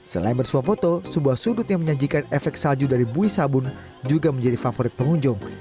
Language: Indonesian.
selain bersuap foto sebuah sudut yang menyajikan efek salju dari bui sabun juga menjadi favorit pengunjung